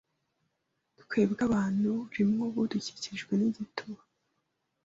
Twebwe abantu rimwe ubu dukikijwe nigituba